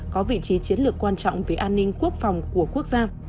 có vị trí chiến lược quan trọng về an ninh quốc phòng của quốc gia